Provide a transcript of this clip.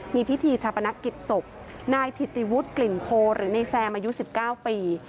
มีพิธีชาปนกิจศพนายถิติวุฒิกลิ่นโพหรือในแซมอายุ๑๙ปี